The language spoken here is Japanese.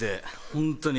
本当に。